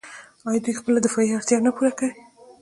آیا دوی خپله دفاعي اړتیا نه پوره کوي؟